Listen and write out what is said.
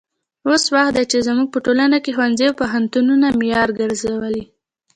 اوس وخت کې چې زموږ په ټولنه کې ښوونځي او پوهنتونونه معیار ګرځولي.